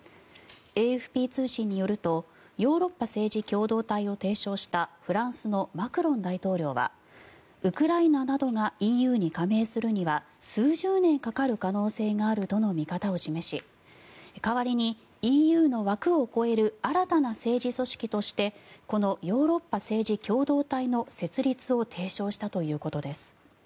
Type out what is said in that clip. ＡＦＰ通信によるとヨーロッパ政治共同体を提唱したフランスのマクロン大統領はウクライナなどがＥＵに加盟するには数十年かかる可能性があるとの見方を示し代わりにＥＵの枠を超える新たな政治組織としてこのヨーロッパ政治共同体の設立を提唱したということです。